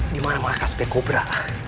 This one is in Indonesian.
gimana mengakas bekobra